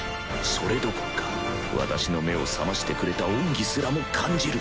それどころか私の目を覚ましてくれた恩義すらも感じる